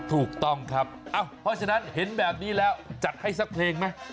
ถูกต้องครับเพราะฉะนั้นเห็นแบบนี้แล้วจัดให้สักเพลงไหม